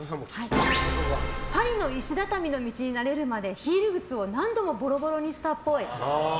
パリの石畳の道に慣れるまでヒール靴を何度もボロボロにしたっぽい。